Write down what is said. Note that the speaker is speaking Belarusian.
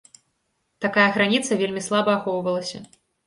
Такая граніца вельмі слаба ахоўвалася.